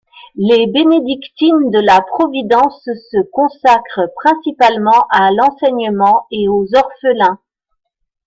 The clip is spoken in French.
Les bénédictines de la Providence se consacrent principalement à l'enseignement et aux orphelins.